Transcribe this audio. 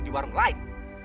di warung lain